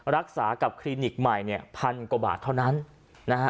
รักษากับคลินิกใหม่เนี่ยพันกว่าบาทเท่านั้นนะฮะ